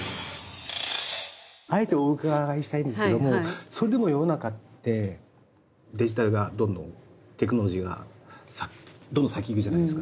あえてお伺いしたいんですけどもそれでも世の中ってデジタルがどんどんテクノロジーがどんどん先行くじゃないですか。